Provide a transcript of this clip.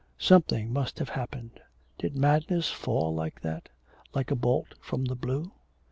Something must have happened. Did madness fall like that? like a bolt from the blue.